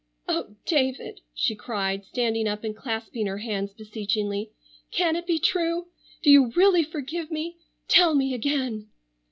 "Oh, David," she cried, standing up and clasping her hands beseechingly, "can it be true? Do you really forgive me? Tell me again."